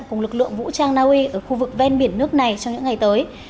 cùng lực lượng vũ trang naui ở khu vực ven biển nước này trong những ngày tới